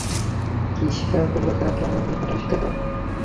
কিসরা বলল, তাকে আমার নিকট আসতে দাও।